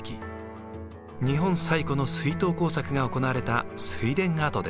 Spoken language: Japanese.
日本最古の水稲耕作が行われた水田跡です。